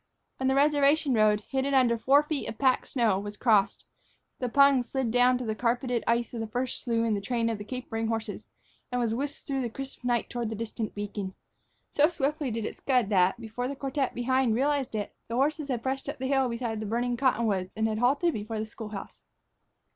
When the reservation road, hidden under four feet of packed snow, was crossed, the pung slid down to the carpeted ice of the first slough in the train of the capering horses, and was whisked through the crisp night toward the distant beacon. So swiftly did it scud that, before the quartet behind realized it, the horses had pressed up the hill beside the burning cottonwoods and halted before the school house.